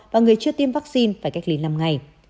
và người chưa tiêm vaccine phải cách ly làm ngày